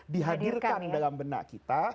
dihadirkan dalam benak kita